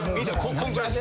こんくらいっす。